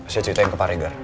saya ceritain ke pak reger